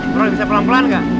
bro bisa pelan pelan gak